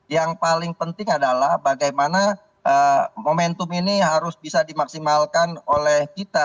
yang paling penting adalah bagaimana momentum ini harus bisa dimaksimalkan oleh kita